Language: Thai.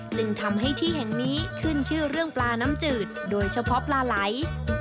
จึงทำให้ที่แห่งนี้ขึ้นชื่อเรื่องปลาน้ำจืดโดยเฉพาะปลาไหล